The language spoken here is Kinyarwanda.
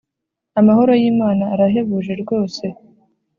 Amahoro y’ Imana arahebuje rwose.